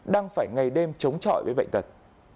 đang phải ngày đêm chống chọi với bệnh tật